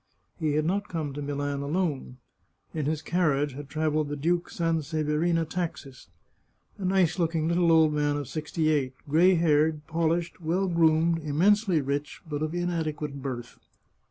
He had not come to Milan alone. In his carriage had travelled the Duke Sanseverina Taxis — a nice looking little old man of sixty eight, gray haired, polished, well groomed, immensely rich, but of inadequate birth.